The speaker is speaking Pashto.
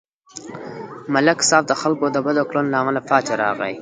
ملک صاحب د خلکو د بدو کړنو له امله پاتې راغی.